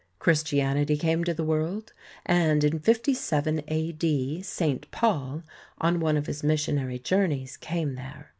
Christianity came to the world, and in 57 A.D., St. Paul, on one of his missionary journeys, came there.